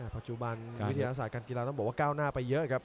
ปัจจุบันวิทยาศาสตร์การกีฬาต้องบอกว่าก้าวหน้าไปเยอะครับ